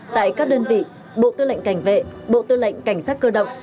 tại các đơn vị bộ tư lệnh cảnh vệ bộ tư lệnh cảnh sát cơ động